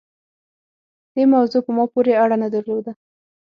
دې موضوع په ما پورې اړه نه درلوده.